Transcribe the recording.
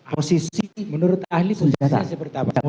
posisi menurut ahli senjata seperti apa